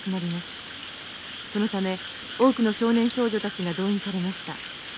そのため多くの少年少女たちが動員されました。